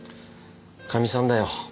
かみさんだよ。